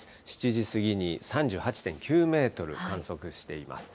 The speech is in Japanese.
７時過ぎに３８．９メートル観測しています。